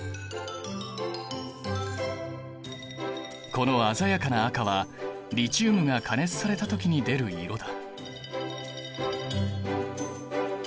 この鮮やかな赤はリチウムが加熱された時に出る色だ。